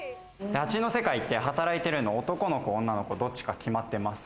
蜂の世界って働いてるの男の子、女の子、どっちか決まってます。